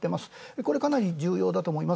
これかなり重要だと思います。